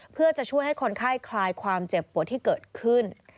เพื่อจะช่วยให้คนไข้คลายความเจ็บปวดที่เกิดขึ้น